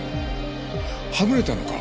はぐれたのか？